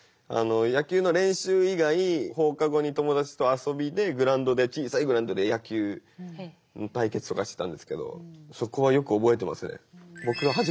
野球の練習以外放課後に友達と遊びでグラウンドで小さいグラウンドで野球の対決とかしてたんですけどそこはよく覚えてますね。